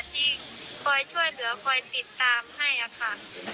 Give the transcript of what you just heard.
ที่คอยช่วยเหลือคอยติดตามให้ค่ะ